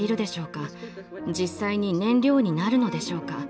実際に燃料になるのでしょうか？